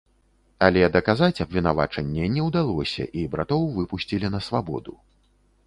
Але даказаць абвінавачанне не ўдалося, і братоў выпусцілі на свабоду.